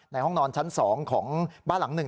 ในห้องนอนชั้น๒ของบ้านหลัง๑